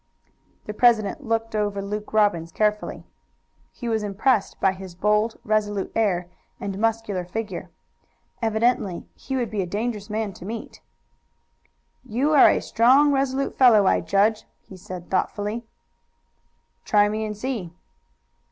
The president looked over Luke Robbins carefully. He was impressed by his bold, resolute air and muscular figure. Evidently he would be a dangerous man to meet. "You are a strong, resolute fellow, I judge," he said thoughtfully. "Try me and see."